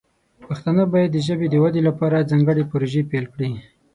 پښتانه باید د ژبې د ودې لپاره ځانګړې پروژې پیل کړي.